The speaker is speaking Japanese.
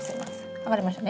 剥がれましたね？